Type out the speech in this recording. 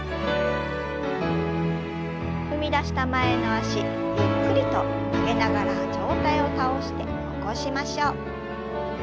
踏み出した前の脚ゆっくりと曲げながら上体を倒して起こしましょう。